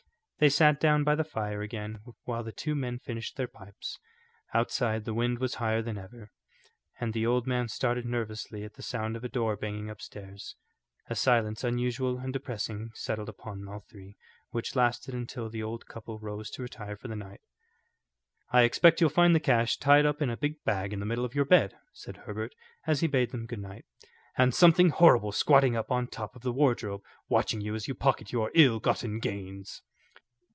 They sat down by the fire again while the two men finished their pipes. Outside, the wind was higher than ever, and the old man started nervously at the sound of a door banging upstairs. A silence unusual and depressing settled upon all three, which lasted until the old couple rose to retire for the night. "I expect you'll find the cash tied up in a big bag in the middle of your bed," said Herbert, as he bade them good night, "and something horrible squatting up on top of the wardrobe watching you as you pocket your ill gotten gains."